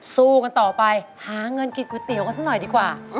สู้กันต่อไปหาเงินกินก๋วยเตี๋ยวกันสักหน่อยดีกว่า